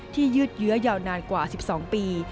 ยืดเยื้อยาวนานกว่า๑๒ปี